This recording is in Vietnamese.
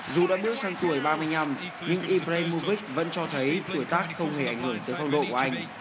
dù đã bước sang tuổi ba mươi năm nhưng ibraymovic vẫn cho thấy tuổi tác không hề ảnh hưởng tới phong độ của anh